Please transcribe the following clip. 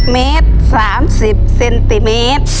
เมตร๓๐เซนติเมตร